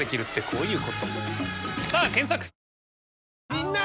みんな！